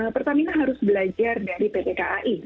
pertamina harus belajar dari pt kai